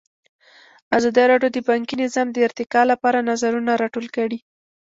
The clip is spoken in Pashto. ازادي راډیو د بانکي نظام د ارتقا لپاره نظرونه راټول کړي.